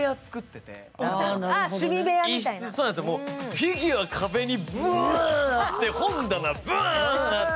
フィギュア壁にブワーンあって、本棚ブワーンあって、